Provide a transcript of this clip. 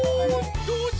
どうぞ。